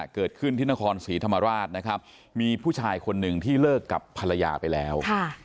เกิดขึ้นที่นครศรีธรรมราชนะครับมีผู้ชายคนหนึ่งที่เลิกกับภรรยาไปแล้ว